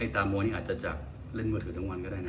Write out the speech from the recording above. ตามมวยนี่อาจจะจากเล่นมือถือทั้งวันก็ได้นะ